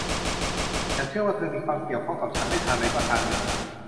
ฉันเชื่อว่าเธอมีความเกี่ยวข้องกับฉันไม่ทางใดก็ทางหนึ่ง